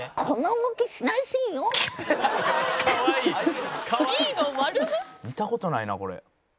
「見た事ないなこれ」